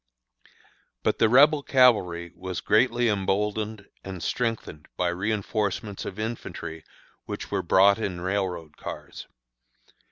But the Rebel cavalry was greatly emboldened and strengthened by reënforcements of infantry which were brought in railroad cars.